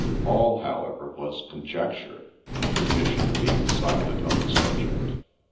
All, however, was conjecture, tradition being silent on the subject.